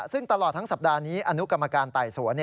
ซึ่งตลอดทั้งสัปดาห์นี้อนุกรรมการไต่สวน